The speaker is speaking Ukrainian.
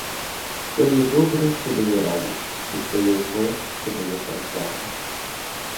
Все є добре, що дає радість, і все є зле, що дає страждання.